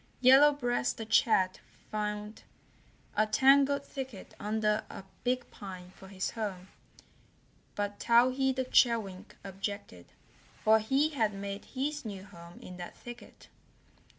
Yellow Breast the Chat found a tangled thicket under a big pine for his home, but Towhee the Chewink objected, for he had made his new home in that thicket.